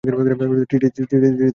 চিঠিতে লেখা ছিলো।